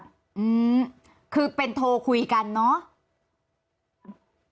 อืมคือเป็นโทรคุยกันเนอะ